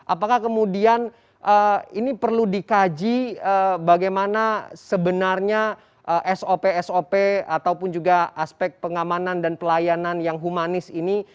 apakah kemudian ini perlu dikaji bagaimana sebenarnya sop sop ataupun juga aspek pengamanan dan pelayanan yang humanis ini